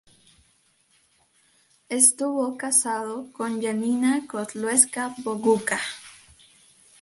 Estuvo casado con Janina Godlewska-Bogucka.